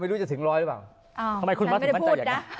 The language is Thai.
ไม่รู้จะถึงร้อยหรือเปล่า